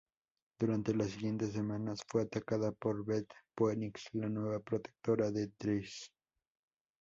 Durante las siguientes semanas fue atacada por Beth Phoenix, la nueva protectora de Trish.